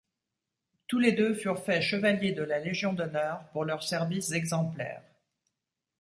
Tous les deux furent faits chevalier de la Légion d'honneur pour leurs services exemplaires.